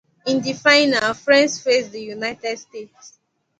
In the final, France faced the United States.